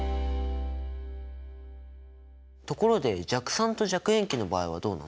ところで弱酸と弱塩基の場合はどうなの？